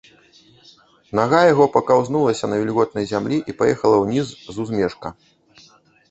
Нага яго пакаўзнулася на вільготнай зямлі і паехала ўніз з узмежка.